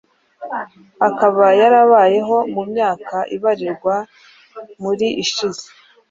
akaba yarabayeho mu myaka ibarirwa muri ishize.